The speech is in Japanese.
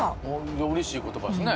うれしい言葉ですね。